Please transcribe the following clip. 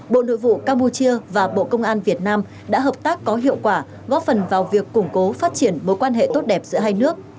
bộ nội vụ campuchia và bộ công an việt nam đã hợp tác có hiệu quả góp phần vào việc củng cố phát triển mối quan hệ tốt đẹp giữa hai nước